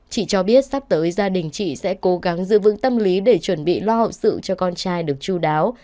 chị cho biết sắp tới gia đình chị sẽ cố gắng giữ vững tâm lý để chuẩn bị lo hậu sự cho con trai được chú đáo